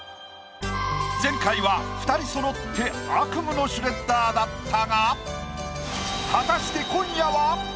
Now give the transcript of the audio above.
前回は２人そろって悪夢のシュレッダーだったが果たして今夜は⁉